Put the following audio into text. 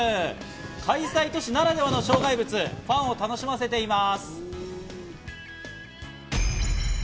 開催都市ならではの障害物でファンを楽しませています。